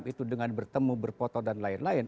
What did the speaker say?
dan itu dengan bertemu berfoto dan lain lain